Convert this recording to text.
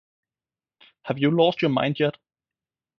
Have You Lost Your Mind Yet?